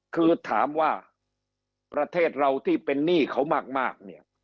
คือถามว่าประเทศเราที่เป็นหนี้เขามากเนี่ย